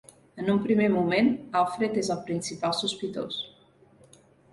En un primer moment, Alfred és el principal sospitós.